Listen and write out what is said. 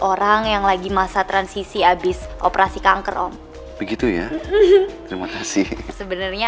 orang yang lagi masa transisi habis operasi kanker om begitu ya terima kasih sebenarnya